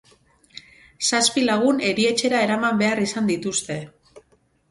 Zazpi lagun erietxera eraman behar izan dituzte.